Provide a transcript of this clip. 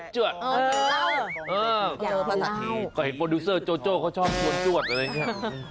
ก็เห็นโปรดิวเซอร์โจโจ้ก็ชอบกวนจวดเลยค่ะ